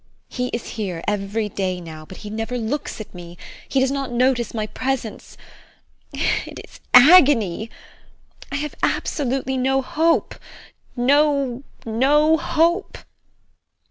He is here every day now, but he never looks at me, he does not notice my presence. It is agony. I have absolutely no hope, no, no hope.